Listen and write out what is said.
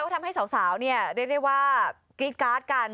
ว่าทำให้สาวได้ว่ากรีดการ์ดกัน